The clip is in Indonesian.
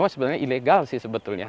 sebenarnya ilegal sih sebetulnya